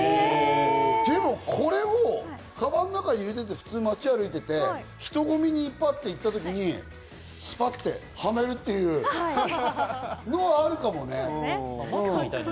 でもこれをカバンの中に入れてても、街を歩いてて、人混みに行った時に、すぱっと、はめるというのはあるかもね。